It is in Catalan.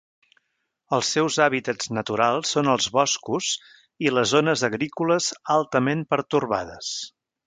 Els seus hàbitats naturals són els boscos i les zones agrícoles altament pertorbades.